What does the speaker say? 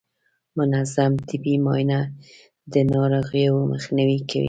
منظم طبي معاینه د ناروغیو مخنیوی کوي.